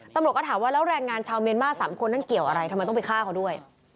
ตำรวจก็ถามว่าแล้วแรงงานชาวเมียนมาร์๓คนนั้นเกี่ยวอะไรทำไมต้องไปฆ่าเขาด้วย